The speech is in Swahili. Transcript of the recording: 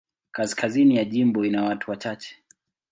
Kaskazini ya jimbo ina watu wachache.